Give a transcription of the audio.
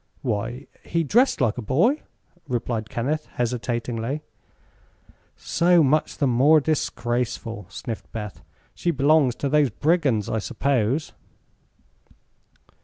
"Why, he dressed like a boy," replied Kenneth, hesitatingly. "So much the more disgraceful," sniffed Beth. "She belongs to those brigands, I suppose."